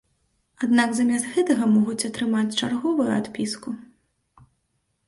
Аднак замест гэтага могуць атрымаць чарговую адпіску.